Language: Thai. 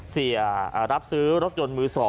เสียรับซื้อรถยนต์มือ๒